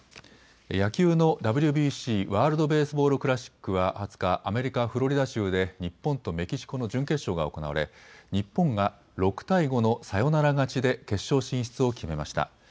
野球のＷＢＣ・ワールド・ベースボール・クラシックは２０日、アメリカ・フロリダ州で日本とメキシコの準決勝が行われ日本が６対５のサヨナラ勝ちで決勝進出を決めました。